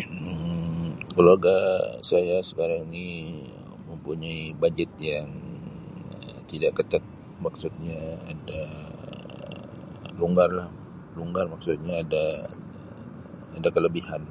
Um Keluarga saya sekarang ni mempunyai bajet yang Um tidak ketat maksudnya Um longgar lah. longgar maksudnya da-ada kelebihan.